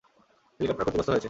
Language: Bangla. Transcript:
হেলিকপ্টার ক্ষতিগ্রস্থ হয়েছে।